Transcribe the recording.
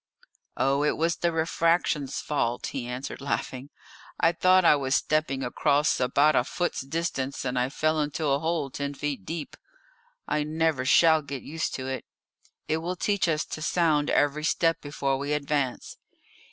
"Oh, it was the refraction's fault," he answered laughing. "I thought I was stepping across about a foot's distance, and I fell into a hole ten feet deep! I never shall get used to it. It will teach us to sound every step before we advance.